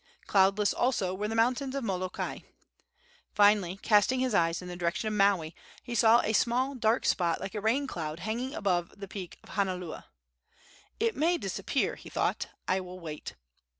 Cloudless, also, were the mountains of Molokai. Finally, casting his eyes in the direction of Maui, he saw a small, dark spot like a rain cloud hanging above the peak of Hanaula. "It may disappear," he thought; "I will wait."